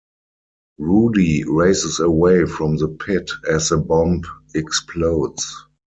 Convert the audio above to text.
Rudy races away from the pit as the bomb explodes.